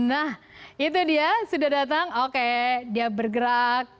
nah itu dia sudah datang oke dia bergerak